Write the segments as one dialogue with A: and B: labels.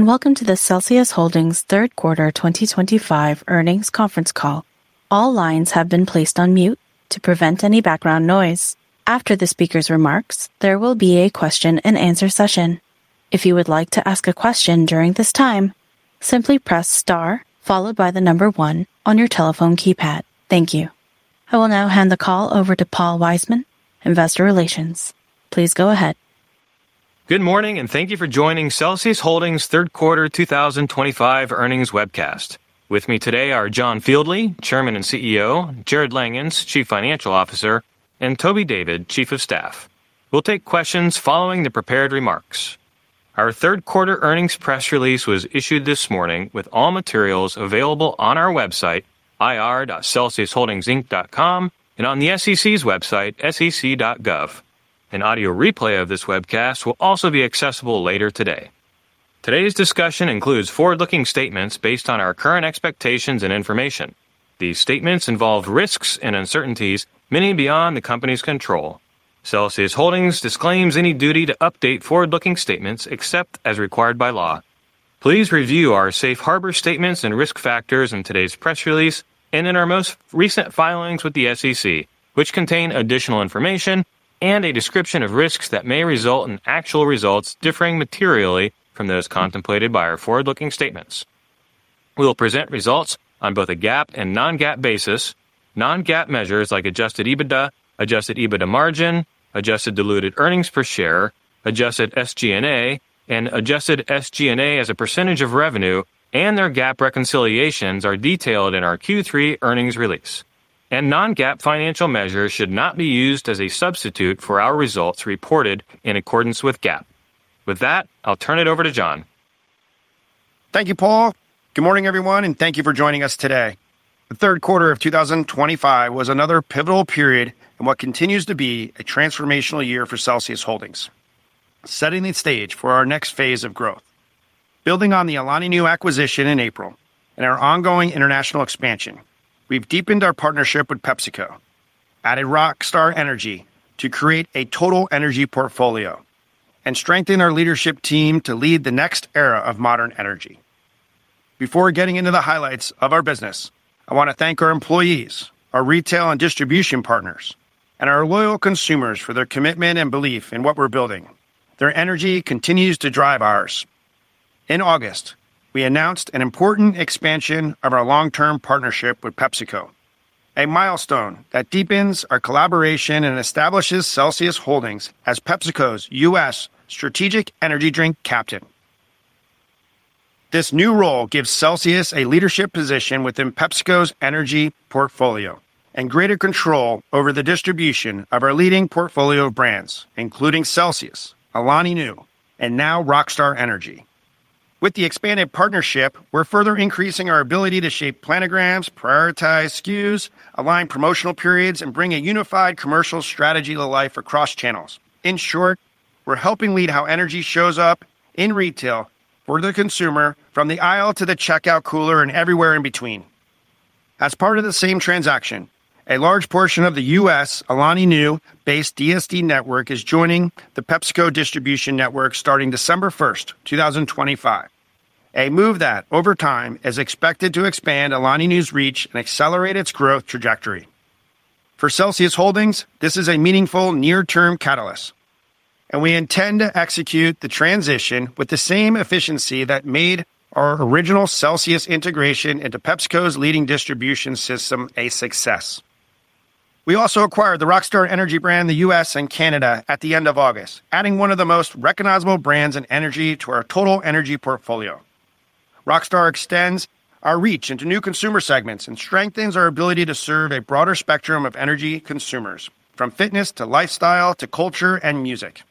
A: Welcome to the Celsius Holdings third quarter 2025 earnings conference call. All lines have been placed on mute to prevent any background noise. After the speaker's remarks, there will be a question-and-answer session. If you would like to ask a question during this time, simply press star followed by the number one on your telephone keypad. Thank you. I will now hand the call over to Paul Wiseman, Investor Relations. Please go ahead.
B: Good morning, and thank you for joining Celsius Holdings third quarter 2025 earnings webcast. With me today are John Fieldly, Chairman and CEO; Jarrod Langhans, Chief Financial Officer; and Toby David, Chief of Staff. We'll take questions following the prepared remarks. Our third quarter earnings press release was issued this morning with all materials available on our website, ir.celsiusholdingsinc.com, and on the SEC's website, sec.gov. An audio replay of this webcast will also be accessible later today. Today's discussion includes forward-looking statements based on our current expectations and information. These statements involve risks and uncertainties many beyond the company's control. Celsius Holdings disclaims any duty to update forward-looking statements except as required by law. Please review our safe harbor statements and risk factors in today's press release and in our most recent filings with the SEC, which contain additional information and a description of risks that may result in actual results differing materially from those contemplated by our forward-looking statements. We will present results on both a GAAP and non-GAAP basis. Non-GAAP measures like Adjusted EBITDA, Adjusted EBITDA margin, adjusted diluted earnings per share, Adjusted SG&A, and Adjusted SG&A as a percentage of revenue and their GAAP reconciliations are detailed in our Q3 earnings release. Non-GAAP financial measures should not be used as a substitute for our results reported in accordance with GAAP. With that, I'll turn it over to John.
C: Thank you, Paul. Good morning, everyone, and thank you for joining us today. The third quarter of 2025 was another pivotal period in what continues to be a transformational year for Celsius Holdings, setting the stage for our next phase of growth. Building on the Alani Nu acquisition in April and our ongoing international expansion, we've deepened our partnership with PepsiCo, added Rockstar Energy to create a total energy portfolio, and strengthened our leadership team to lead the next era of modern energy. Before getting into the highlights of our business, I want to thank our employees, our retail and distribution partners, and our loyal consumers for their commitment and belief in what we're building. Their energy continues to drive ours. In August, we announced an important expansion of our long-term partnership with PepsiCo, a milestone that deepens our collaboration and establishes Celsius Holdings as PepsiCo's U.S. Strategic energy drink captain. This new role gives Celsius a leadership position within PepsiCo's energy portfolio and greater control over the distribution of our leading portfolio brands, including Celsius, Alani Nu, and now Rockstar Energy. With the expanded partnership, we're further increasing our ability to shape planograms, prioritize SKUs, align promotional periods, and bring a unified commercial strategy to life across channels. In short, we're helping lead how energy shows up in retail for the consumer, from the aisle to the checkout cooler and everywhere in between. As part of the same transaction, a large portion of the U.S. Alani Nu-based DSD network is joining the PepsiCo distribution network starting December 1st, 2025, a move that, over time, is expected to expand Alani Nu's reach and accelerate its growth trajectory. For Celsius Holdings, this is a meaningful near-term catalyst, and we intend to execute the transition with the same efficiency that made our original Celsius integration into PepsiCo's leading distribution system a success. We also acquired the Rockstar Energy brand in the U.S. and Canada at the end of August, adding one of the most recognizable brands in energy to our total energy portfolio. Rockstar extends our reach into new consumer segments and strengthens our ability to serve a broader spectrum of energy consumers, from fitness to lifestyle to culture and music.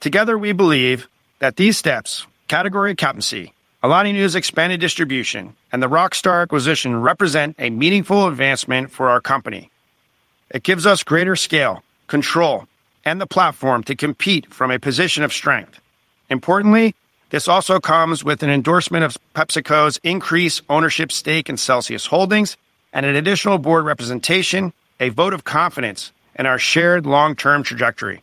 C: Together, we believe that these steps—category captaincy, Alani Nu's expanded distribution, and the Rockstar acquisition represent a meaningful advancement for our company. It gives us greater scale, control, and the platform to compete from a position of strength. Importantly, this also comes with an endorsement of PepsiCo's increased ownership stake in Celsius Holdings and an additional board representation, a vote of confidence in our shared long-term trajectory.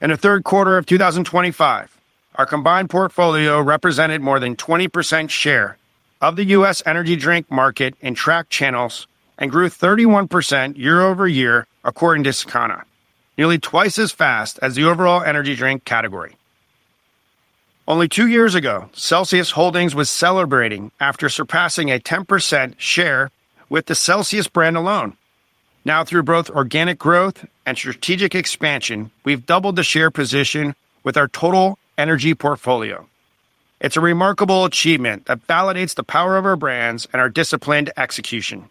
C: In the third quarter of 2025, our combined portfolio represented more than 20% share of the U.S. energy drink market in track channels and grew 31% year-over-year, according to Circana, nearly twice as fast as the overall energy drink category. Only two years ago, Celsius Holdings was celebrating after surpassing a 10% share with the Celsius brand alone. Now, through both organic growth and strategic expansion, we've doubled the share position with our total energy portfolio. It's a remarkable achievement that validates the power of our brands and our disciplined execution.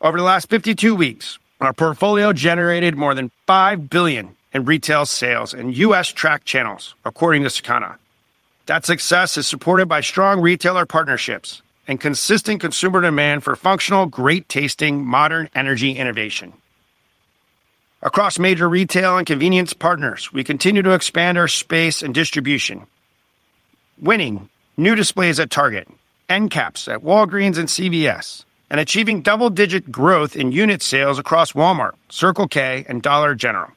C: Over the last 52 weeks, our portfolio generated more than $5 billion in retail sales in U.S. track channels, according to Circana. That success is supported by strong retailer partnerships and consistent consumer demand for functional, great-tasting, modern energy innovation. Across major retail and convenience partners, we continue to expand our space and distribution. Winning new displays at Target, end caps at Walgreens and CVS, and achieving double-digit growth in unit sales across Walmart, Circle K, and Dollar General,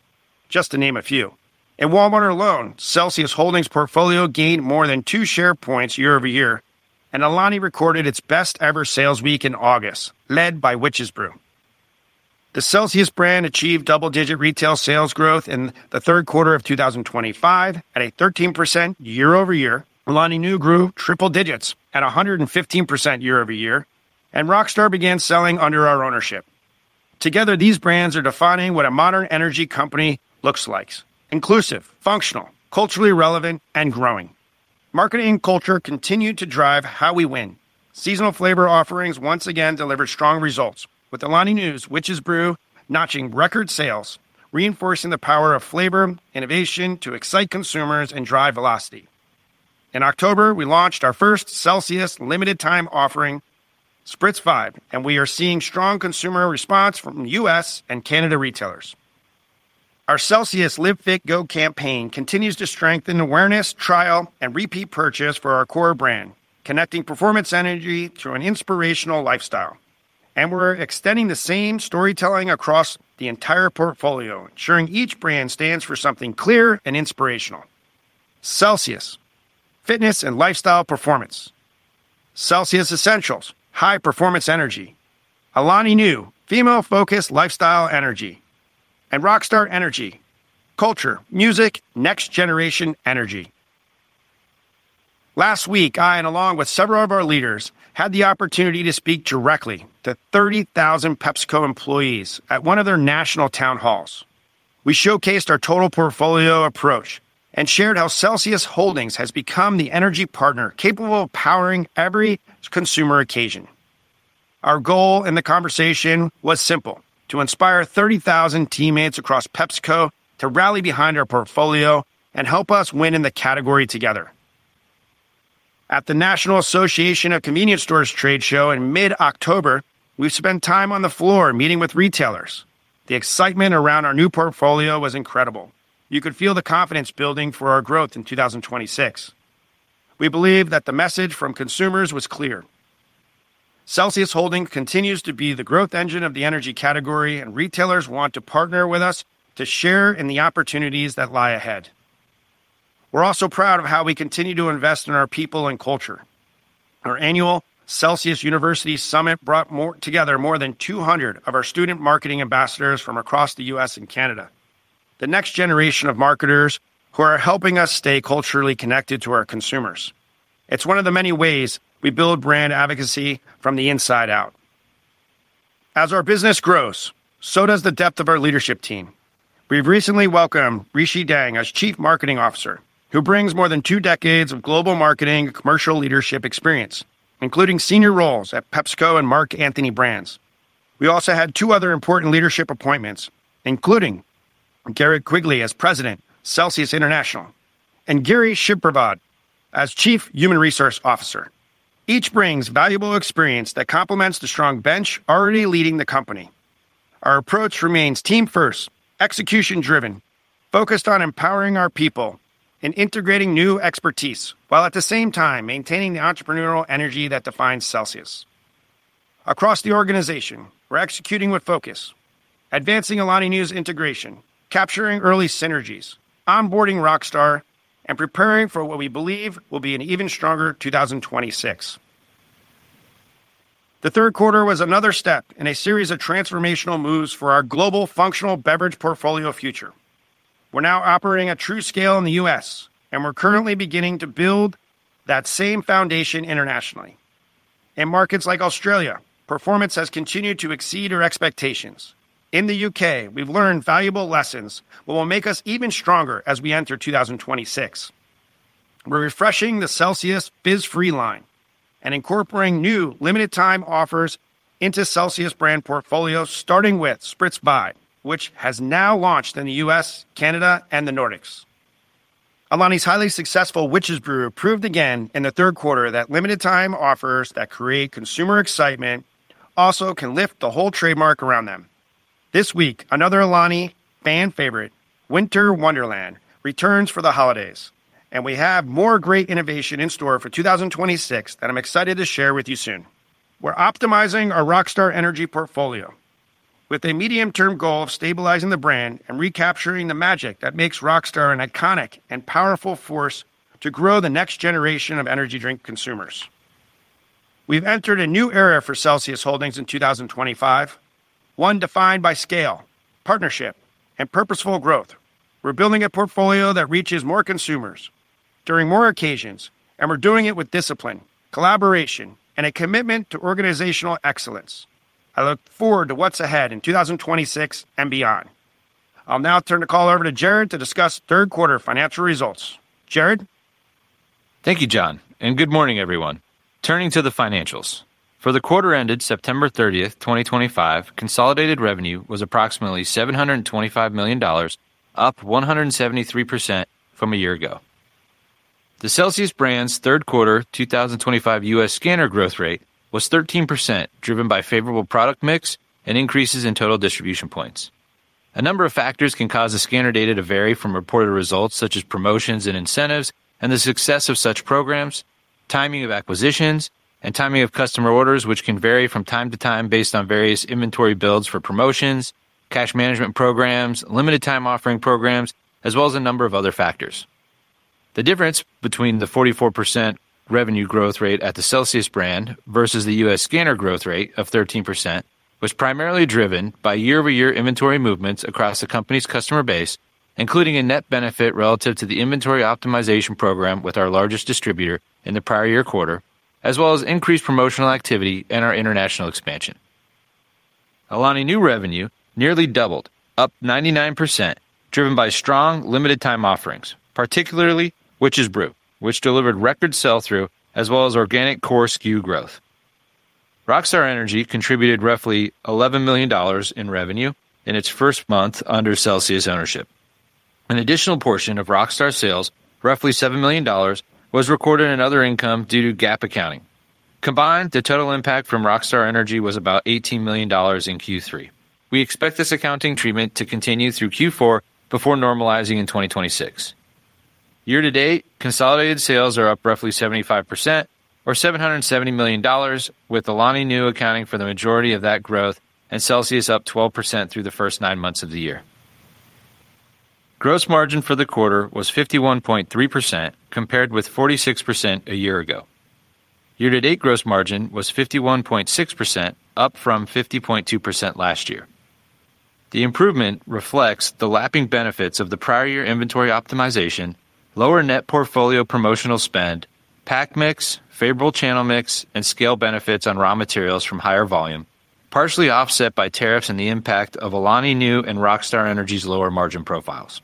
C: just to name a few. In Walmart alone, Celsius Holdings' portfolio gained more than two share points year-over-year, and Alani Nu recorded its best-ever sales week in August, led by Witches Brew. The Celsius brand achieved double-digit retail sales growth in the third quarter of 2025 at a 13% year-over-year. Alani Nu grew triple digits at 115% year over year, and Rockstar began selling under our ownership. Together, these brands are defining what a modern energy company looks like: inclusive, functional, culturally relevant, and growing. Marketing and culture continue to drive how we win. Seasonal flavor offerings once again delivered strong results, with Alani Nu's Witches Brew notching record sales, reinforcing the power of flavor innovation to excite consumers and drive velocity. In October, we launched our first Celsius limited-time offering, Spritz 5, and we are seeing strong consumer response from U.S. and Canada retailers. Our Celsius Live Fit Go campaign continues to strengthen awareness, trial, and repeat purchase for our core brand, connecting performance energy to an inspirational lifestyle. We are extending the same storytelling across the entire portfolio, ensuring each brand stands for something clear and inspirational. Celsius: Fitness and Lifestyle Performance. Celsius Essentials: High Performance Energy. Alani Nu: Female-Focused Lifestyle Energy. Rockstar Energy: Culture, Music, Next Generation Energy. Last week, I and along with several of our leaders had the opportunity to speak directly to 30,000 PepsiCo employees at one of their national town halls. We showcased our total portfolio approach and shared how Celsius Holdings has become the energy partner capable of powering every consumer occasion. Our goal in the conversation was simple: to inspire 30,000 teammates across PepsiCo to rally behind our portfolio and help us win in the category together. At the National Association of Convenience Stores trade show in mid-October, we spent time on the floor meeting with retailers. The excitement around our new portfolio was incredible. You could feel the confidence building for our growth in 2026. We believe that the message from consumers was clear. Celsius Holdings continues to be the growth engine of the energy category, and retailers want to partner with us to share in the opportunities that lie ahead. We're also proud of how we continue to invest in our people and culture. Our annual Celsius University Summit brought together more than 200 of our student marketing ambassadors from across the U.S. and Canada, the next generation of marketers who are helping us stay culturally connected to our consumers. It's one of the many ways we build brand advocacy from the inside out. As our business grows, so does the depth of our leadership team. We've recently welcomed Rishi Dang as Chief Marketing Officer, who brings more than two decades of global marketing and commercial leadership experience, including senior roles at PepsiCo and Marc Anthony Brands. We also had two other important leadership appointments, including Garrett Quigley as President of Celsius International and Gary Shipravad as Chief Human Resource Officer. Each brings valuable experience that complements the strong bench already leading the company. Our approach remains team-first, execution-driven, focused on empowering our people and integrating new expertise while at the same time maintaining the entrepreneurial energy that defines Celsius. Across the organization, we're executing with focus, advancing Alani Nu's integration, capturing early synergies, onboarding Rockstar, and preparing for what we believe will be an even stronger 2026. The third quarter was another step in a series of transformational moves for our global functional beverage portfolio future. We're now operating at true scale in the U.S., and we're currently beginning to build that same foundation internationally. In markets like Australia, performance has continued to exceed our expectations. In the U.K., we've learned valuable lessons that will make us even stronger as we enter 2026. We're refreshing the Celsius Biz Free line and incorporating new limited-time offers into Celsius brand portfolios, starting with Spritz 5, which has now launched in the U.S., Canada, and the Nordics. Alani Nu's highly successful Witches Brew proved again in the third quarter that limited-time offers that create consumer excitement also can lift the whole trademark around them. This week, another Alani Nu fan favorite, Winter Wonderland, returns for the holidays, and we have more great innovation in store for 2026 that I'm excited to share with you soon. We're optimizing our Rockstar Energy portfolio with a medium-term goal of stabilizing the brand and recapturing the magic that makes Rockstar an iconic and powerful force to grow the next generation of energy drink consumers. We've entered a new era for Celsius Holdings in 2025, one defined by scale, partnership, and purposeful growth. We're building a portfolio that reaches more consumers during more occasions, and we're doing it with discipline, collaboration, and a commitment to organizational excellence. I look forward to what's ahead in 2026 and beyond. I'll now turn the call over to Jarrod to discuss third quarter financial results. Jarrod.
D: Thank you, John, and good morning, everyone. Turning to the financials, for the quarter ended September 30, 2025, consolidated revenue was approximately $725 million, up 173% from a year ago. The Celsius brand's third quarter 2025 U.S. scanner growth rate was 13%, driven by favorable product mix and increases in total distribution points. A number of factors can cause the scanner data to vary from reported results, such as promotions and incentives, and the success of such programs, timing of acquisitions, and timing of customer orders, which can vary from time to time based on various inventory builds for promotions, cash management programs, limited-time offering programs, as well as a number of other factors. The difference between the 44% revenue growth rate at the Celsius brand versus the U.S. Scanner growth rate of 13% was primarily driven by year-over-year inventory movements across the company's customer base, including a net benefit relative to the inventory optimization program with our largest distributor in the prior year quarter, as well as increased promotional activity and our international expansion. Alani Nu revenue nearly doubled, up 99%, driven by strong limited-time offerings, particularly Witches Brew, which delivered record sell-through as well as organic core SKU growth. Rockstar Energy contributed roughly $11 million in revenue in its first month under Celsius ownership. An additional portion of Rockstar's sales, roughly $7 million, was recorded in other income due to GAAP accounting. Combined, the total impact from Rockstar Energy was about $18 million in Q3. We expect this accounting treatment to continue through Q4 before normalizing in 2026. Year to date, consolidated sales are up roughly 75%, or $770 million, with Alani Nu accounting for the majority of that growth and Celsius up 12% through the first nine months of the year. Gross margin for the quarter was 51.3%, compared with 46% a year ago. Year to date, gross margin was 51.6%, up from 50.2% last year. The improvement reflects the lapping benefits of the prior year inventory optimization, lower net portfolio promotional spend, pack mix, favorable channel mix, and scale benefits on raw materials from higher volume, partially offset by tariffs and the impact of Alani Nu and Rockstar Energy's lower margin profiles.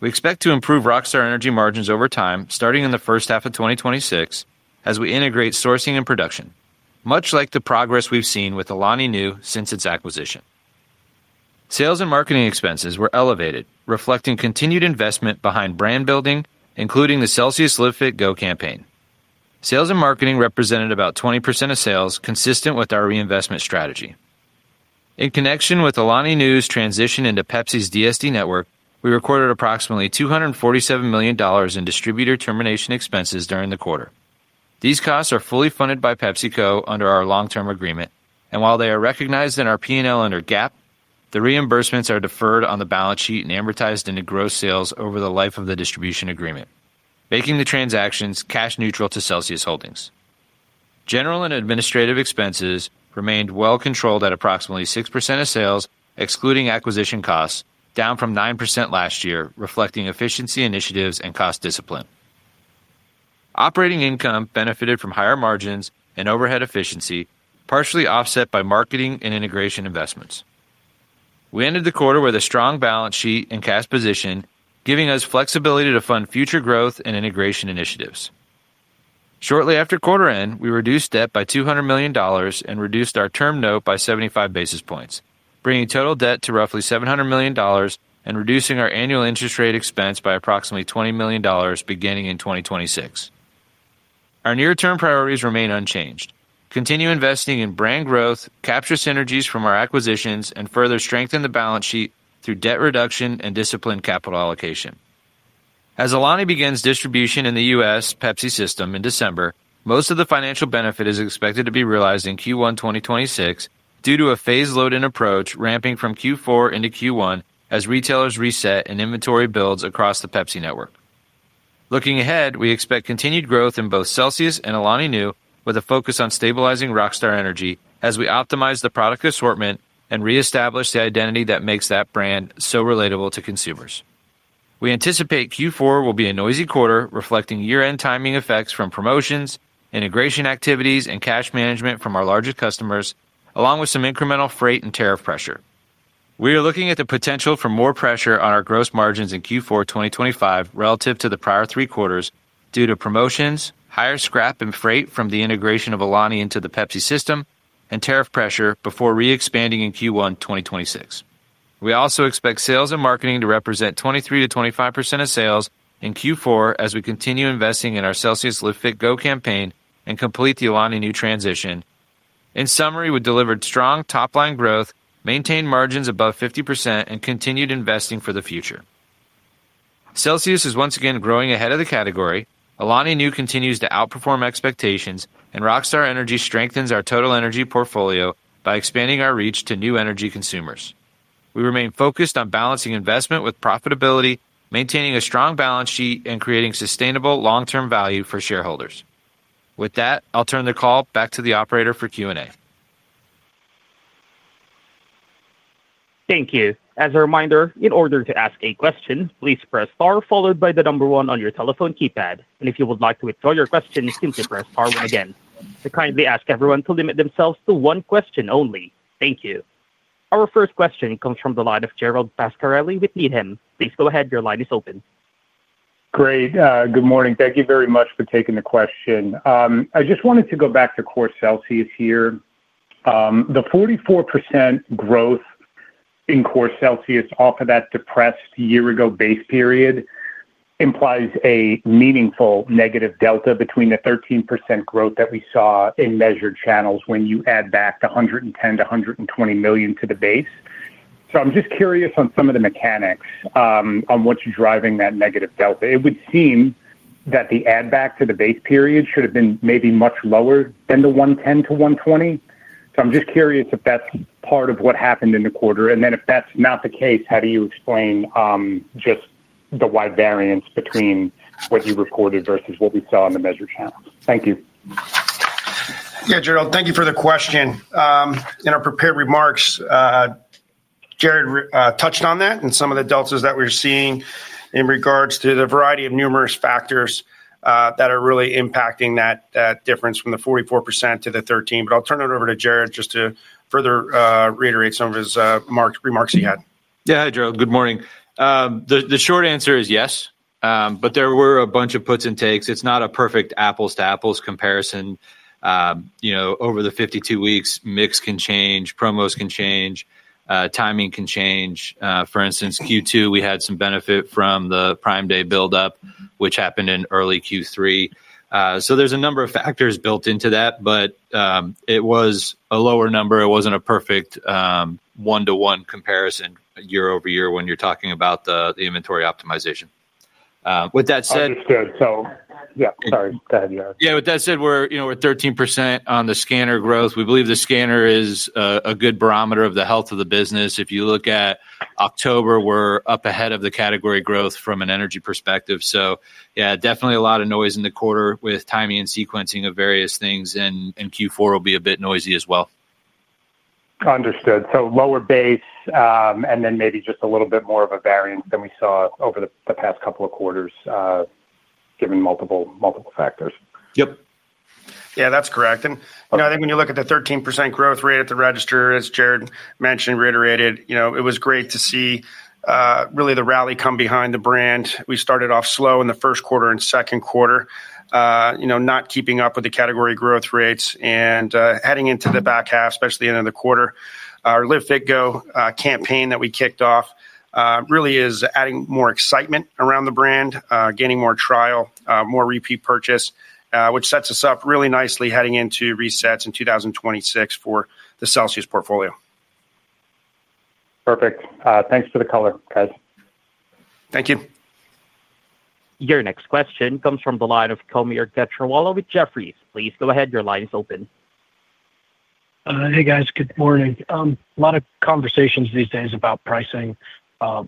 D: We expect to improve Rockstar Energy margins over time, starting in the first half of 2026, as we integrate sourcing and production, much like the progress we've seen with Alani Nu since its acquisition. Sales and marketing expenses were elevated, reflecting continued investment behind brand building, including the Celsius Live Fit Go campaign. Sales and marketing represented about 20% of sales, consistent with our reinvestment strategy. In connection with Alani Nu's transition into PepsiCo's DSD network, we recorded approximately $247 million in distributor termination expenses during the quarter. These costs are fully funded by PepsiCo under our long-term agreement, and while they are recognized in our P&L under GAAP, the reimbursements are deferred on the balance sheet and amortized into gross sales over the life of the distribution agreement, making the transactions cash-neutral to Celsius Holdings. General and administrative expenses remained well-controlled at approximately 6% of sales, excluding acquisition costs, down from 9% last year, reflecting efficiency initiatives and cost discipline. Operating income benefited from higher margins and overhead efficiency, partially offset by marketing and integration investments. We ended the quarter with a strong balance sheet and cash position, giving us flexibility to fund future growth and integration initiatives. Shortly after quarter end, we reduced debt by $200 million and reduced our term note by 75 basis points, bringing total debt to roughly $700 million and reducing our annual interest rate expense by approximately $20 million beginning in 2026. Our near-term priorities remain unchanged. Continue investing in brand growth, capture synergies from our acquisitions, and further strengthen the balance sheet through debt reduction and disciplined capital allocation. As Alani begins distribution in the U.S. Pepsi system in December, most of the financial benefit is expected to be realized in Q1 2026 due to a phase-load-in approach ramping from Q4 into Q1 as retailers reset and inventory builds across the Pepsi network. Looking ahead, we expect continued growth in both Celsius and Alani Nu, with a focus on stabilizing Rockstar Energy as we optimize the product assortment and reestablish the identity that makes that brand so relatable to consumers. We anticipate Q4 will be a noisy quarter, reflecting year-end timing effects from promotions, integration activities, and cash management from our largest customers, along with some incremental freight and tariff pressure. We are looking at the potential for more pressure on our gross margins in Q4 2025 relative to the prior three quarters due to promotions, higher scrap and freight from the integration of Alani Nu into the PepsiCo system, and tariff pressure before re-expanding in Q1 2026. We also expect sales and marketing to represent 23%-25% of sales in Q4 as we continue investing in our Celsius Live Fit Go campaign and complete the Alani Nu transition. In summary, we delivered strong top-line growth, maintained margins above 50%, and continued investing for the future. Celsius is once again growing ahead of the category. Alani Nu continues to outperform expectations, and Rockstar Energy strengthens our total energy portfolio by expanding our reach to new energy consumers. We remain focused on balancing investment with profitability, maintaining a strong balance sheet, and creating sustainable long-term value for shareholders. With that, I'll turn the call back to the operator for Q&A.
A: Thank you. As a reminder, in order to ask a question, please press star followed by the number one on your telephone keypad. If you would like to withdraw your question, simply press star once again. I kindly ask everyone to limit themselves to one question only. Thank you. Our first question comes from the line of Gerald Pascarelli with Needham. Please go ahead. Your line is open.
E: Great. Good morning. Thank you very much for taking the question. I just wanted to go back to core Celsius here. The 44% growth in core Celsius off of that depressed year-ago base period implies a meaningful negative delta between the 13% growth that we saw in measured channels when you add back the $110 million-$120 million to the base. I'm just curious on some of the mechanics on what's driving that negative delta. It would seem that the add-back to the base period should have been maybe much lower than the $110 million-$120 million. I'm just curious if that's part of what happened in the quarter. If that's not the case, how do you explain just the wide variance between what you reported versus what we saw in the measured channels? Thank you.
C: Yeah, Gerald, thank you for the question. In our prepared remarks, Jarrod touched on that and some of the deltas that we're seeing in regards to the variety of numerous factors that are really impacting that difference from the 44% to the 13%. I will turn it over to Jarrod just to further reiterate some of his remarks he had.
D: Yeah, hi, Gerald. Good morning. The short answer is yes, but there were a bunch of puts and takes. It's not a perfect apples-to-apples comparison. Over the 52 weeks, mix can change, promos can change, timing can change. For instance, Q2, we had some benefit from the Prime Day build-up, which happened in early Q3. There are a number of factors built into that, but it was a lower number. It was not a perfect one-to-one comparison year-over-year when you're talking about the inventory optimization. With that said.
E: Understood. Yeah, sorry. Go ahead, Gerald.
D: Yeah. With that said, we're 13% on the scanner growth. We believe the scanner is a good barometer of the health of the business. If you look at October, we're up ahead of the category growth from an energy perspective. Yeah, definitely a lot of noise in the quarter with timing and sequencing of various things, and Q4 will be a bit noisy as well.
E: Understood. So lower base and then maybe just a little bit more of a variance than we saw over the past couple of quarters. Given multiple factors.
C: Yep. Yeah, that's correct. I think when you look at the 13% growth rate at the register, as Jarrod mentioned, reiterated, it was great to see really the rally come behind the brand. We started off slow in the first quarter and second quarter, not keeping up with the category growth rates. Heading into the back half, especially into the quarter, our Live Fit Go campaign that we kicked off really is adding more excitement around the brand, gaining more trial, more repeat purchase, which sets us up really nicely heading into resets in 2026 for the Celsius portfolio.
E: Perfect. Thanks for the color, guys.
C: Thank you.
A: Your next question comes from the line of Kaumil Gajrawala with Jefferies. Please go ahead. Your line is open.
F: Hey, guys. Good morning. A lot of conversations these days about pricing.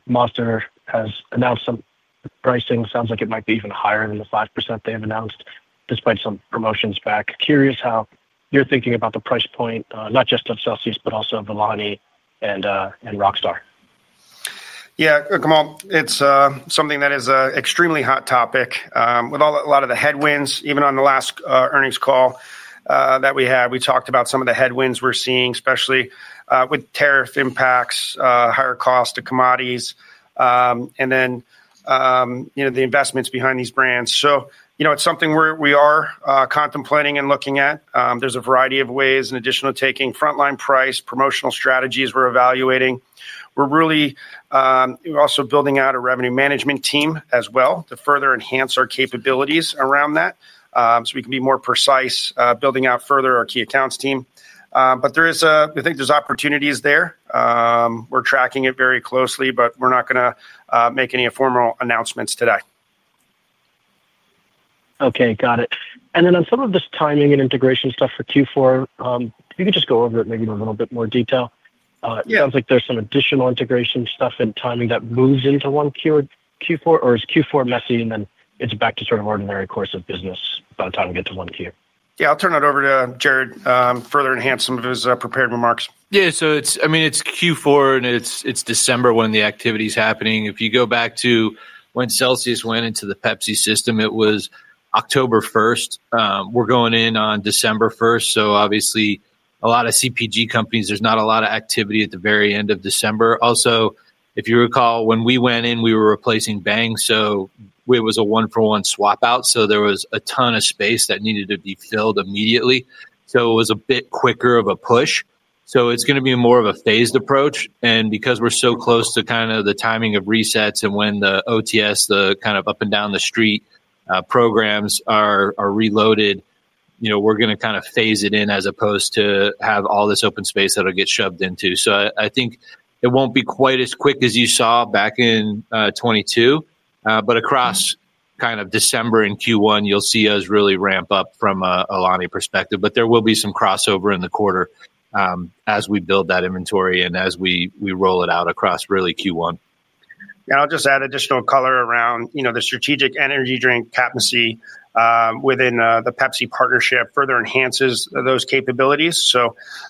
F: Mazda has announced some pricing. Sounds like it might be even higher than the 5% they have announced, despite some promotions back. Curious how you're thinking about the price point, not just of Celsius, but also of Alani and Rockstar.
C: Yeah, Cameron, it's something that is an extremely hot topic. With a lot of the headwinds, even on the last earnings call that we had, we talked about some of the headwinds we're seeing, especially with tariff impacts, higher cost to commodities, and then the investments behind these brands. It is something we are contemplating and looking at. There's a variety of ways, in addition to taking frontline price, promotional strategies we're evaluating. We're really also building out a revenue management team as well to further enhance our capabilities around that so we can be more precise, building out further our key accounts team. I think there's opportunities there. We're tracking it very closely, but we're not going to make any formal announcements today.
F: Okay, got it. And then on some of this timing and integration stuff for Q4, if you could just go over it maybe in a little bit more detail. It sounds like there's some additional integration stuff and timing that moves into Q4, or is Q4 messy, and then it's back to sort of ordinary course of business by the time we get to Q1?
C: Yeah, I'll turn it over to Jarrod, further enhance some of his prepared remarks.
D: Yeah, so I mean, it's Q4, and it's December when the activity is happening. If you go back to when Celsius went into the Pepsi system, it was October 1st. We're going in on December 1. Obviously, a lot of CPG companies, there's not a lot of activity at the very end of December. Also, if you recall, when we went in, we were replacing Bang, so it was a one-for-one swap out. There was a ton of space that needed to be filled immediately. It was a bit quicker of a push. It's going to be more of a phased approach. Because we're so close to kind of the timing of resets and when the OTS, the kind of up and down the street programs are reloaded, we're going to kind of phase it in as opposed to have all this open space that'll get shoved into. I think it won't be quite as quick as you saw back in 2022, but across kind of December and Q1, you'll see us really ramp up from an Alani perspective. There will be some crossover in the quarter as we build that inventory and as we roll it out across really Q1.
C: I'll just add additional color around the strategic energy drink captaincy within the Pepsi partnership further enhances those capabilities.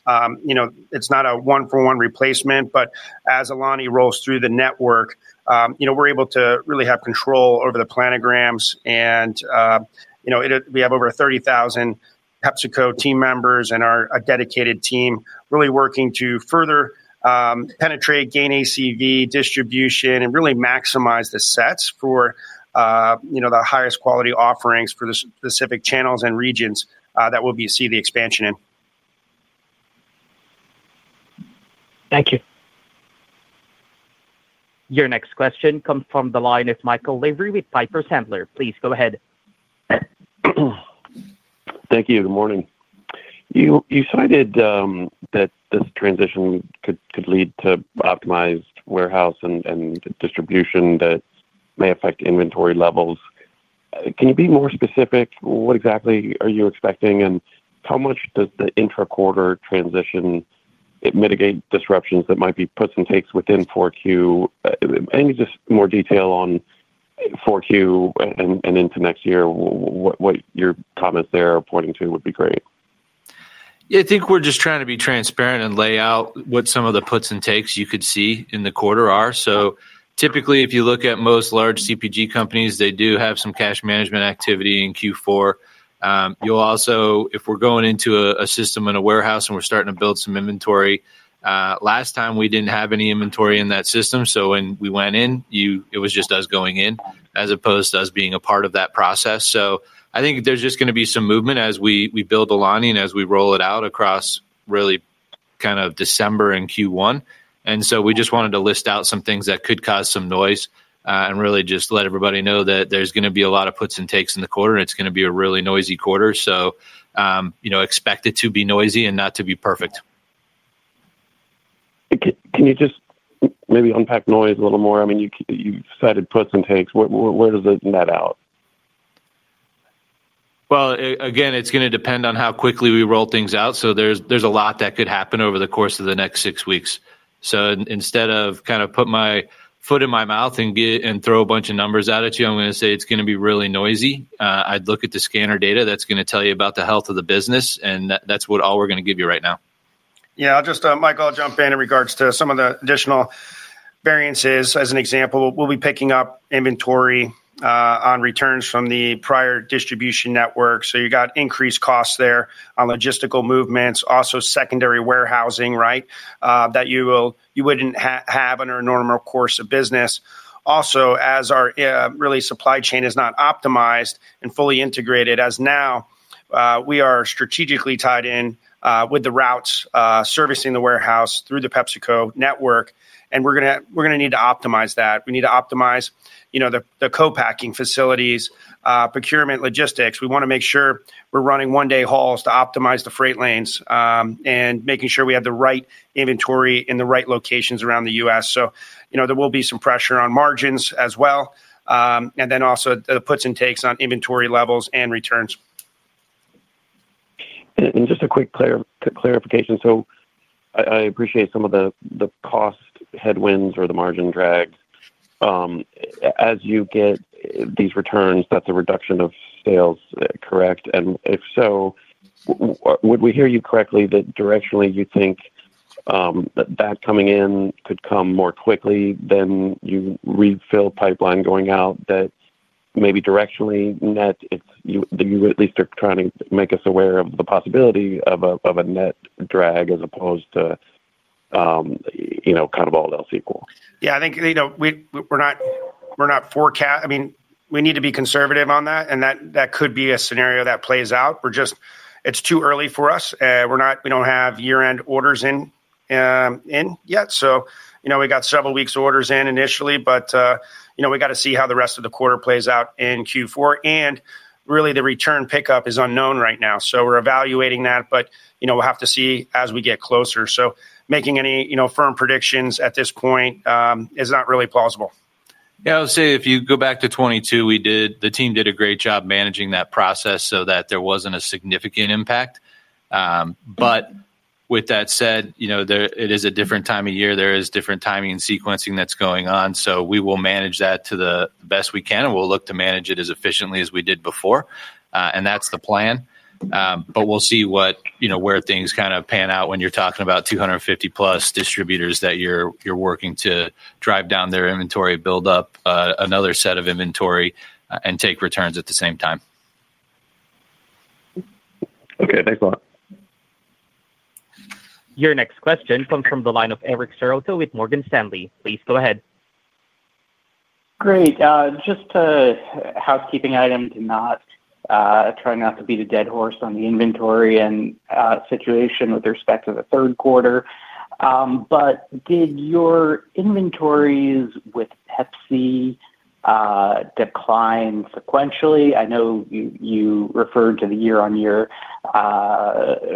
C: It's not a one-for-one replacement, but as Alani rolls through the network, we're able to really have control over the planograms. We have over 30,000 PepsiCo team members and a dedicated team really working to further penetrate, gain ACV distribution, and really maximize the sets for the highest quality offerings for the specific channels and regions that we'll see the expansion in.
F: Thank you.
A: Your next question comes from the line of Michael Lavery with Piper Sandler. Please go ahead.
G: Thank you. Good morning. You cited that this transition could lead to optimized warehouse and distribution that may affect inventory levels. Can you be more specific? What exactly are you expecting, and how much does the intra-quarter transition mitigate disruptions that might be puts and takes within 4Q? Any just more detail on 4Q and into next year, what your comments there are pointing to would be great.
D: Yeah, I think we're just trying to be transparent and lay out what some of the puts and takes you could see in the quarter are. Typically, if you look at most large CPG companies, they do have some cash management activity in Q4. You'll also, if we're going into a system in a warehouse and we're starting to build some inventory, last time we didn't have any inventory in that system. When we went in, it was just us going in as opposed to us being a part of that process. I think there's just going to be some movement as we build Alani and as we roll it out across really kind of December and Q1. We just wanted to list out some things that could cause some noise and really just let everybody know that there's going to be a lot of puts and takes in the quarter, and it's going to be a really noisy quarter. Expect it to be noisy and not to be perfect.
G: Can you just maybe unpack noise a little more? I mean, you cited puts and takes. Where does it net out?
D: Again, it's going to depend on how quickly we roll things out. There is a lot that could happen over the course of the next six weeks. Instead of kind of putting my foot in my mouth and throwing a bunch of numbers out at you, I'm going to say it's going to be really noisy. I'd look at the scanner data that's going to tell you about the health of the business, and that's all we're going to give you right now.
C: Yeah, I'll just, Michael, jump in in regards to some of the additional variances. As an example, we'll be picking up inventory on returns from the prior distribution network. You got increased costs there on logistical movements, also secondary warehousing, right, that you wouldn't have under a normal course of business. Also, as our really supply chain is not optimized and fully integrated as now. We are strategically tied in with the routes servicing the warehouse through the PepsiCo network, and we're going to need to optimize that. We need to optimize the co-packing facilities, procurement logistics. We want to make sure we're running one-day hauls to optimize the freight lanes and making sure we have the right inventory in the right locations around the U.S. There will be some pressure on margins as well. Also the puts and takes on inventory levels and returns.
G: Just a quick clarification. I appreciate some of the cost headwinds or the margin drags. As you get these returns, that's a reduction of sales, correct? If so, would we hear you correctly that directionally you think that coming in could come more quickly than you refill pipeline going out, that maybe directionally net, you at least are trying to make us aware of the possibility of a net drag as opposed to kind of all else equal?
C: Yeah, I think. We're not forecast. I mean, we need to be conservative on that, and that could be a scenario that plays out. It's too early for us. We don't have year-end orders in yet. So we got several weeks' orders in initially, but we got to see how the rest of the quarter plays out in Q4. And really, the return pickup is unknown right now. So we're evaluating that, but we'll have to see as we get closer. Making any firm predictions at this point is not really plausible.
D: Yeah, I would say if you go back to 2022, the team did a great job managing that process so that there was not a significant impact. With that said, it is a different time of year. There is different timing and sequencing that is going on. We will manage that to the best we can, and we will look to manage it as efficiently as we did before. That is the plan. We will see where things kind of pan out when you are talking about 250+ distributors that you are working to drive down their inventory, build up another set of inventory, and take returns at the same time.
G: Okay, thanks a lot.
A: Your next question comes from the line of Eric serotta with Morgan Stanley. Please go ahead.
H: Great. Just a housekeeping item to note. Try not to beat the dead horse on the inventory and situation with respect to the third quarter. Did your inventories with Pepsi decline sequentially? I know you referred to the year-on-year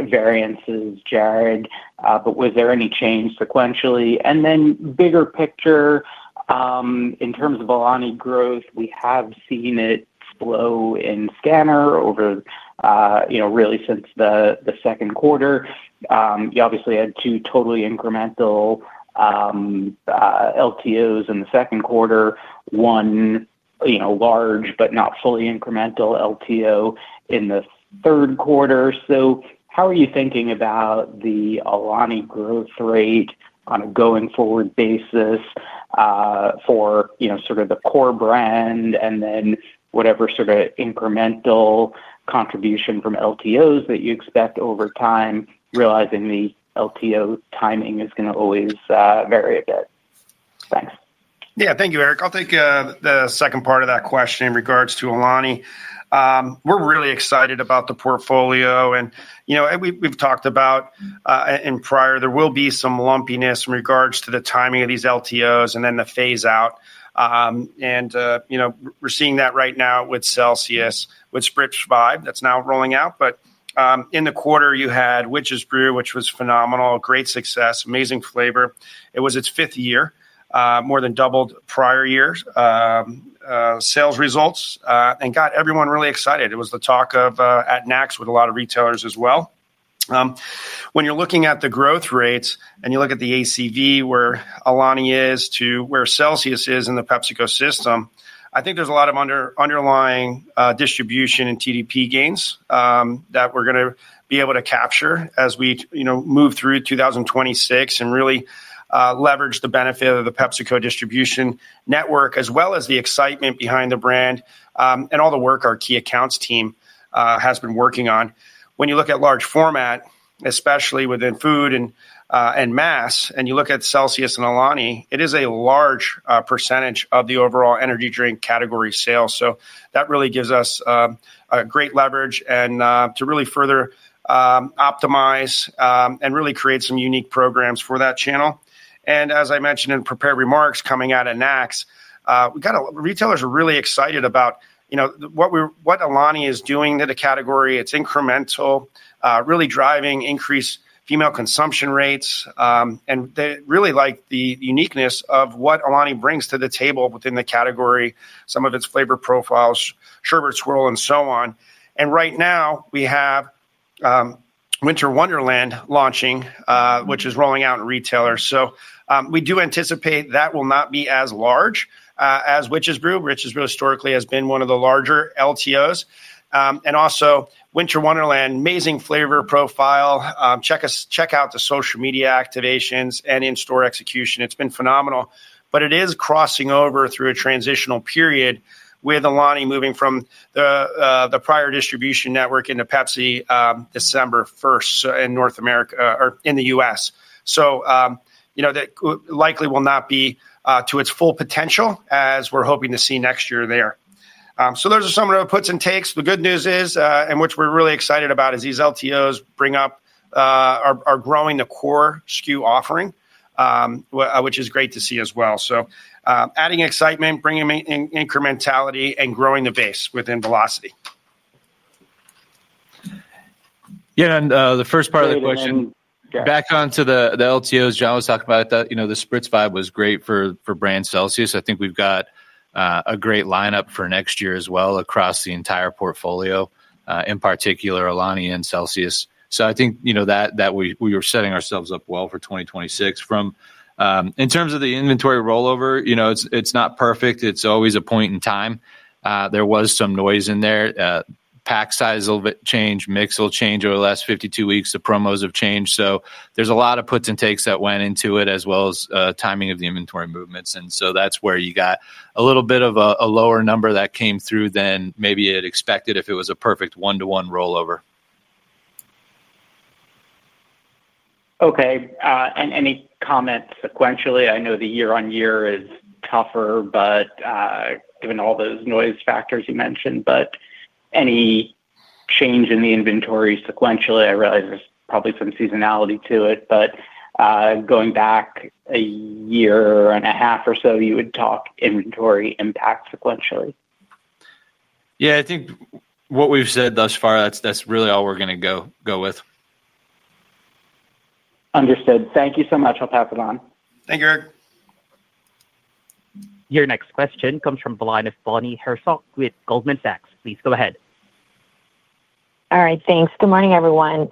H: variances, Jarrod, but was there any change sequentially? Bigger picture, in terms of Alani growth, we have seen it slow in scanner over really since the second quarter. You obviously had two totally incremental LTOs in the second quarter, one large but not fully incremental LTO in the third quarter. How are you thinking about the Alani growth rate on a going-forward basis for sort of the core brand and then whatever sort of incremental contribution from LTOs that you expect over time, realizing the LTO timing is going to always vary a bit? Thanks.
C: Yeah, thank you, Eric. I'll take the second part of that question in regards to Alani. We're really excited about the portfolio. We've talked about, in prior, there will be some lumpiness in regards to the timing of these LTOs and then the phase-out. We're seeing that right now with Celsius, with Spritz 5 that's now rolling out. In the quarter, you had Witches Brew, which was phenomenal, great success, amazing flavor. It was its fifth year, more than doubled prior years' sales results and got everyone really excited. It was the talk of at NAX with a lot of retailers as well. When you're looking at the growth rates and you look at the ACV where Alani is to where Celsius is in the PepsiCo system, I think there's a lot of underlying distribution and TDP gains that we're going to be able to capture as we move through 2026 and really leverage the benefit of the PepsiCo distribution network, as well as the excitement behind the brand and all the work our key accounts team has been working on. When you look at large format, especially within food and mass, and you look at Celsius and Alani, it is a large percentage of the overall energy drink category sales. That really gives us a great leverage to really further optimize and really create some unique programs for that channel. As I mentioned in prepared remarks coming out of NAX, retailers are really excited about. What Alani is doing in the category. It's incremental, really driving increased female consumption rates. They really like the uniqueness of what Alani brings to the table within the category, some of its flavor profiles, sherbet swirl, and so on. Right now, we have Winter Wonderland launching, which is rolling out in retailers. We do anticipate that will not be as large as Witches Brew, which historically has been one of the larger LTOs. Also, Winter Wonderland, amazing flavor profile. Check out the social media activations and in-store execution. It's been phenomenal. It is crossing over through a transitional period with Alani moving from the prior distribution network into Pepsi December 1st in the U.S. That likely will not be to its full potential as we're hoping to see next year there. Those are some of the puts and takes. The good news is, and which we're really excited about, is these LTOs are growing the core SKU offering. Which is great to see as well. Adding excitement, bringing incrementality, and growing the base within velocity.
D: Yeah, and the first part of the question. Back on to the LTOs, John was talking about the Spritz 5 was great for brand Celsius. I think we've got a great lineup for next year as well across the entire portfolio, in particular, Alani and Celsius. I think that we were setting ourselves up well for 2026. In terms of the inventory rollover, it's not perfect. It's always a point in time. There was some noise in there. Pack size will change, mix will change over the last 52 weeks. The promos have changed. There's a lot of puts and takes that went into it, as well as timing of the inventory movements. That's where you got a little bit of a lower number that came through than maybe it expected if it was a perfect one-to-one rollover.
H: Okay. Any comments sequentially? I know the year-on-year is tougher, but given all those noise factors you mentioned. Any change in the inventory sequentially? I realize there's probably some seasonality to it. Going back a year and a half or so, you would talk inventory impact sequentially.
D: Yeah, I think what we've said thus far, that's really all we're going to go with.
H: Understood. Thank you so much. I'll pass it on.
C: Thank you, Eric.
A: Your next question comes from the line of Bonnie Herzog with Goldman Sachs. Please go ahead.
I: All right, thanks. Good morning, everyone.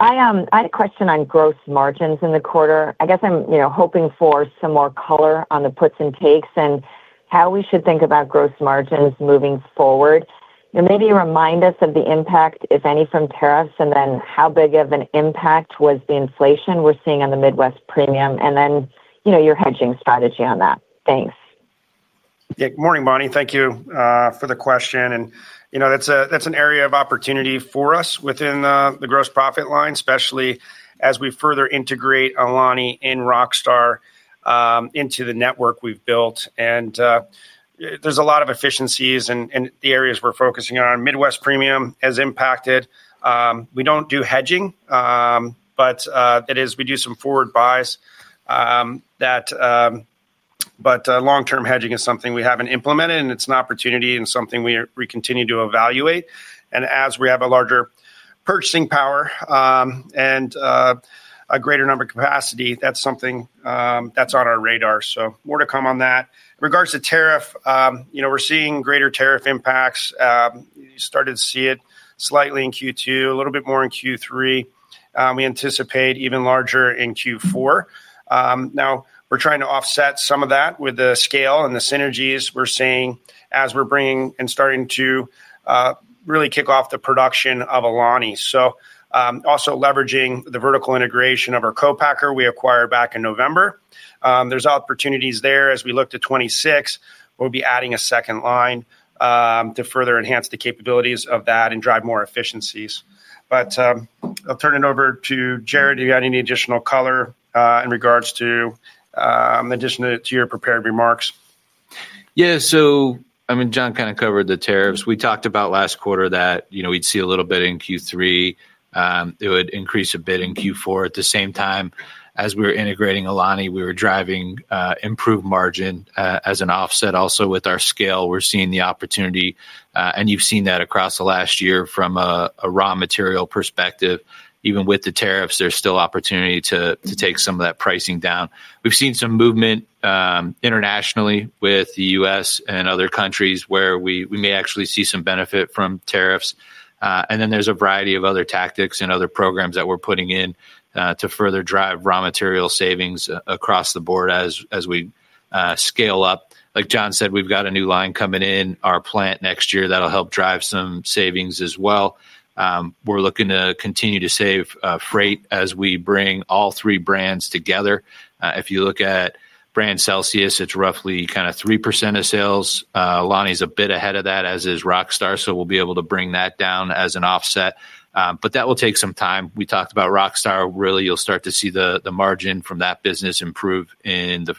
I: I had a question on gross margins in the quarter. I guess I'm hoping for some more color on the puts and takes and how we should think about gross margins moving forward. Maybe remind us of the impact, if any, from tariffs, and then how big of an impact was the inflation we're seeing on the Midwest premium, and then your hedging strategy on that. Thanks.
C: Yeah, good morning, Bonnie. Thank you for the question. That's an area of opportunity for us within the gross profit line, especially as we further integrate Alani and Rockstar into the network we've built. There's a lot of efficiencies in the areas we're focusing on. Midwest premium has impacted. We don't do hedging, but we do some forward buys. Long-term hedging is something we haven't implemented, and it's an opportunity and something we continue to evaluate. As we have a larger purchasing power and a greater number of capacity, that's something that's on our radar. More to come on that. In regards to tariff, we're seeing greater tariff impacts. You started to see it slightly in Q2, a little bit more in Q3. We anticipate even larger in Q4. Now, we're trying to offset some of that with the scale and the synergies we're seeing as we're bringing and starting to really kick off the production of Alani. Also leveraging the vertical integration of our co-packer we acquired back in November. There's opportunities there as we look to 2026. We'll be adding a second line to further enhance the capabilities of that and drive more efficiencies. I'll turn it over to Jarrod. Do you have any additional color in regards to addition to your prepared remarks?
D: Yeah, so I mean, John kind of covered the tariffs. We talked about last quarter that we'd see a little bit in Q3. It would increase a bit in Q4. At the same time, as we were integrating Alani, we were driving improved margin as an offset. Also with our scale, we're seeing the opportunity, and you've seen that across the last year from a raw material perspective. Even with the tariffs, there's still opportunity to take some of that pricing down. We've seen some movement. Internationally with the U.S. and other countries where we may actually see some benefit from tariffs. There is a variety of other tactics and other programs that we're putting in to further drive raw material savings across the board as we scale up. Like John said, we've got a new line coming in our plant next year that'll help drive some savings as well. We're looking to continue to save freight as we bring all three brands together. If you look at brand Celsius, it's roughly kind of 3% of sales. Alani is a bit ahead of that, as is Rockstar. We'll be able to bring that down as an offset. That will take some time. We talked about Rockstar. Really, you'll start to see the margin from that business improve in the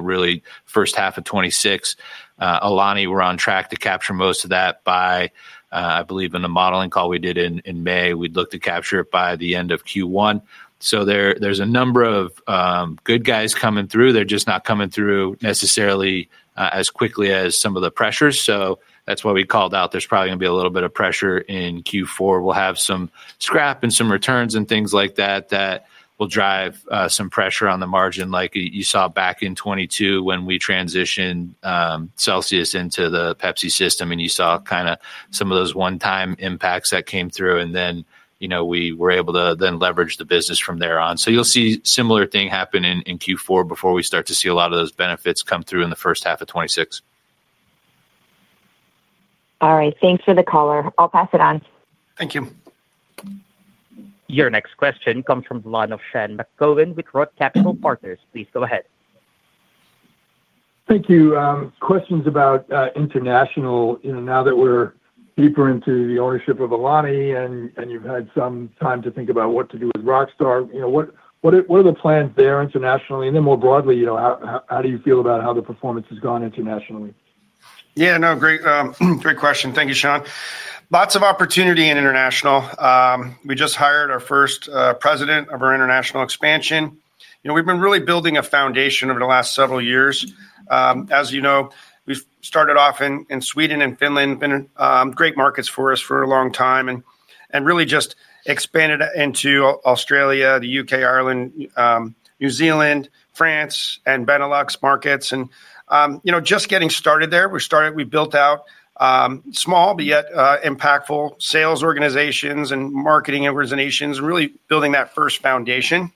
D: really first half of 2026. Alani, we're on track to capture most of that by, I believe, in the modeling call we did in May, we'd look to capture it by the end of Q1. There's a number of good guys coming through. They're just not coming through necessarily as quickly as some of the pressures. That is why we called out there is probably going to be a little bit of pressure in Q4. We will have some scrap and some returns and things like that that will drive some pressure on the margin, like you saw back in 2022 when we transitioned Celsius into the Pepsi system, and you saw kind of some of those one-time impacts that came through. We were able to then leverage the business from there on. You will see a similar thing happen in Q4 before we start to see a lot of those benefits come through in the first half of 2026.
I: All right, thanks for the color. I'll pass it on.
C: Thank you.
A: Your next question comes from Sean McGowan with Roth Capital Partners. Please go ahead.
J: Thank you. Questions about international. Now that we're deeper into the ownership of Alani and you've had some time to think about what to do with Rockstar, what are the plans there internationally? More broadly, how do you feel about how the performance has gone internationally?
C: Yeah, no, great question. Thank you, Sean. Lots of opportunity in international. We just hired our first President of our international expansion. We've been really building a foundation over the last several years. As you know, we've started off in Sweden and Finland, great markets for us for a long time, and really just expanded into Australia, the U.K., Ireland, New Zealand, France, and Benelux markets. Just getting started there, we built out small, but yet impactful sales organizations and marketing organizations, and really building that first foundation.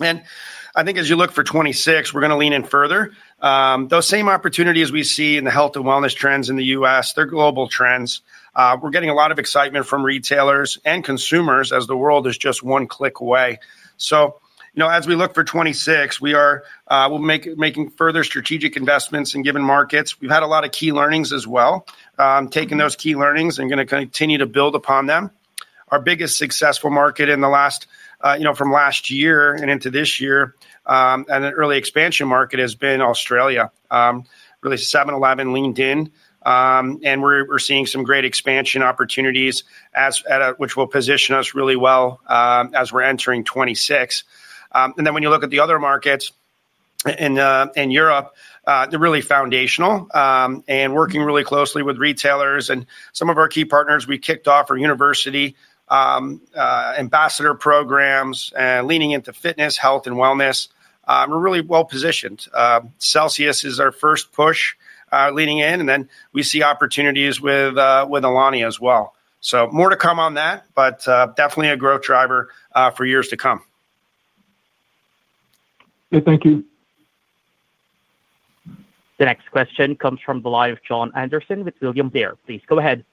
C: I think as you look for 2026, we're going to lean in further. Those same opportunities we see in the health and wellness trends in the U.S., they're global trends. We're getting a lot of excitement from retailers and consumers as the world is just one click away. As we look for 2026, we'll be making further strategic investments in given markets. We've had a lot of key learnings as well. Taking those key learnings and going to continue to build upon them. Our biggest successful market from last year and into this year, and an early expansion market, has been Australia. Really, 7-Eleven leaned in, and we're seeing some great expansion opportunities, which will position us really well as we're entering 2026. When you look at the other markets in Europe, they're really foundational, and working really closely with retailers and some of our key partners. We kicked off our university ambassador programs, leaning into fitness, health, and wellness. We're really well positioned. Celsius is our first push leaning in, and then we see opportunities with Alani as well. More to come on that, but definitely a growth driver for years to come.
J: Thank you.
A: The next question comes from the line of Jon Andersen with William Blair. Please go ahead.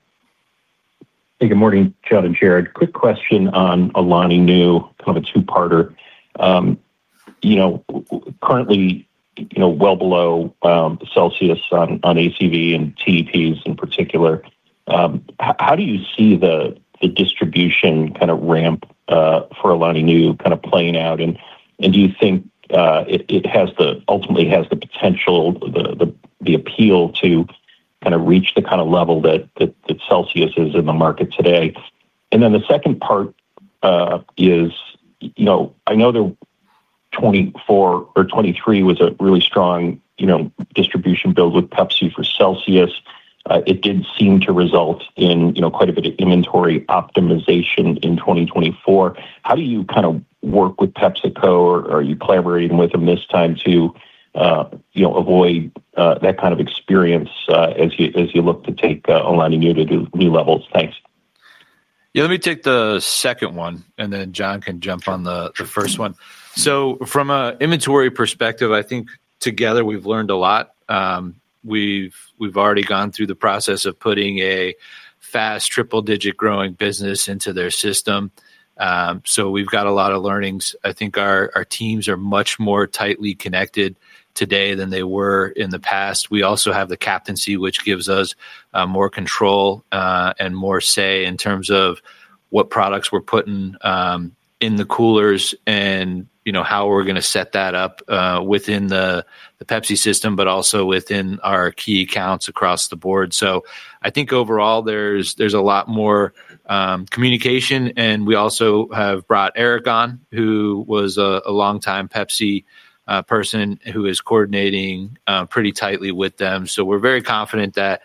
K: Hey, good morning, Chad and Jared. Quick question on Alani Nu, kind of a two-parter. Currently, well below Celsius on ACV and TDPs in particular. How do you see the distribution kind of ramp for Alani Nu kind of playing out? Do you think it ultimately has the potential, the appeal to kind of reach the kind of level that Celsius is in the market today? The second part is, I know 2023 was a really strong distribution build with Pepsi for Celsius. It did seem to result in quite a bit of inventory optimization in 2024. How do you kind of work with PepsiCo? Are you collaborating with them this time to avoid that kind of experience as you look to take Alani Nu to new levels? Thanks.
D: Yeah, let me take the second one, and then John can jump on the first one. From an inventory perspective, I think together we've learned a lot. We've already gone through the process of putting a fast triple-digit growing business into their system. We've got a lot of learnings. I think our teams are much more tightly connected today than they were in the past. We also have the captaincy, which gives us more control and more say in terms of what products we're putting in the coolers and how we're going to set that up within the Pepsi system, but also within our key accounts across the board. I think overall, there's a lot more communication, and we also have brought Eric on, who was a longtime Pepsi person who is coordinating pretty tightly with them. We're very confident that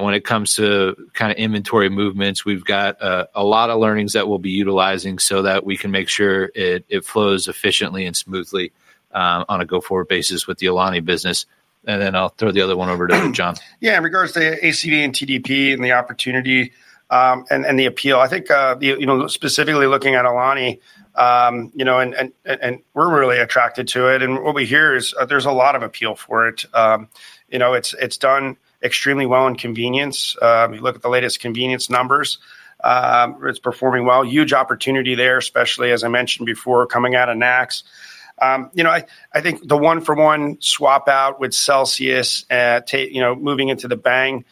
D: when it comes to kind of inventory movements, we've got a lot of learnings that we'll be utilizing so that we can make sure it flows efficiently and smoothly on a go-forward basis with the Alani business. I'll throw the other one over to John.
C: Yeah, in regards to ACV and TDP and the opportunity and the appeal, I think. Specifically looking at Alani. And we're really attracted to it. And what we hear is there's a lot of appeal for it. It's done extremely well in convenience. You look at the latest convenience numbers. It's performing well. Huge opportunity there, especially, as I mentioned before, coming out of NAX. I think the one-for-one swap out with Celsius. Moving into the bang,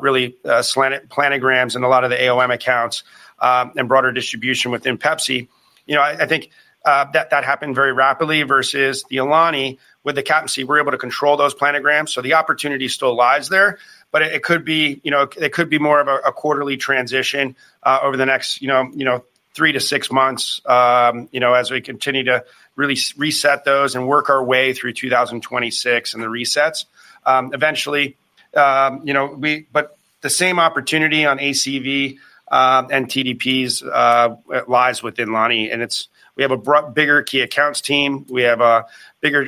C: really planograms and a lot of the AOM accounts and broader distribution within Pepsi. I think that happened very rapidly versus the Alani with the captaincy. We're able to control those planograms. So the opportunity still lies there, but it could be. More of a quarterly transition over the next. Three to six months as we continue to really reset those and work our way through 2026 and the resets. Eventually. The same opportunity on ACV and TDPs lies within Alani. We have a bigger key accounts team. We have a bigger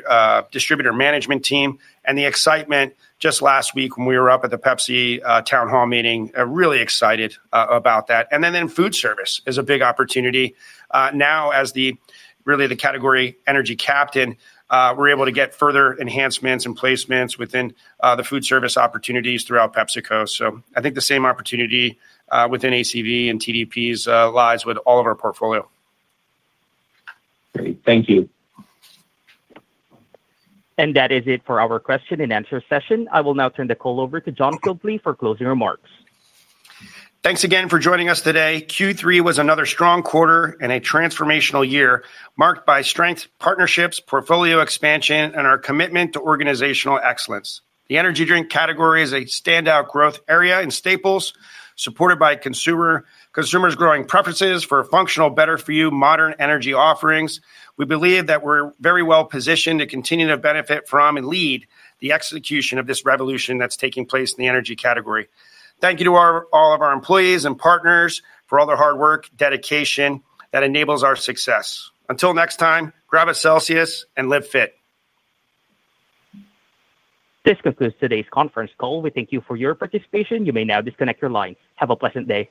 C: distributor management team. The excitement just last week when we were up at the Pepsi town hall meeting, really excited about that. In food service, there is a big opportunity. Now, as really the category energy captain, we are able to get further enhancements and placements within the food service opportunities throughout PepsiCo. I think the same opportunity within ACV and TDPs lies with all of our portfolio.
K: Great. Thank you.
A: That is it for our question-and-answer session. I will now turn the call over to John Fieldly for closing remarks.
C: Thanks again for joining us today. Q3 was another strong quarter and a transformational year marked by strengths, partnerships, portfolio expansion, and our commitment to organizational excellence. The energy drink category is a standout growth area in Staples, supported by consumers' growing preferences for functional, better-for-you, modern energy offerings. We believe that we're very well positioned to continue to benefit from and lead the execution of this revolution that's taking place in the energy category. Thank you to all of our employees and partners for all their hard work, dedication that enables our success. Until next time, grab a Celsius and live fit.
A: This concludes today's conference call. We thank you for your participation. You may now disconnect your line. Have a pleasant day.